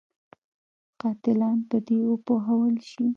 قاتلان په دې وپوهول شي.